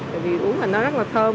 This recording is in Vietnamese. bởi vì uống là nó rất là thơm